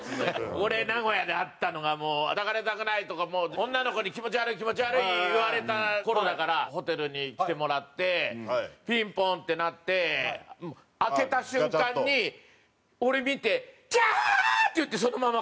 俺名古屋であったのが「抱かれたくない」とか女の子に「気持ち悪い気持ち悪い」言われた頃だからホテルに来てもらってピンポンって鳴って開けた瞬間に俺見て「キャー！」って言ってそのまま帰っちゃったの。